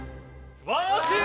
すばらしい！